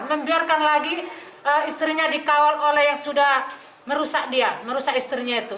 membiarkan lagi istrinya dikawal oleh yang sudah merusak dia merusak istrinya itu